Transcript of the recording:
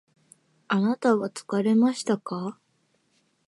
あなたは疲れましたか？